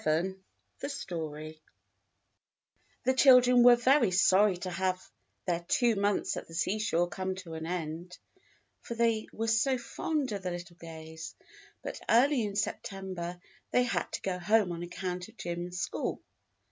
XI The Story THE children were very sorry to have their two months at the seashore come to an end, for they were so fond of the httle Gays, but early in Septem ber they had to go home on account of Jim's school.